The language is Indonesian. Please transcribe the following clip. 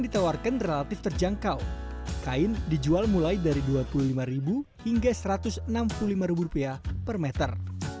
selain dijual per meter